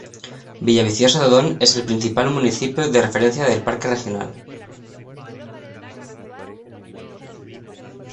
Villaviciosa de Odón es el principal municipio de referencia del Parque Regional.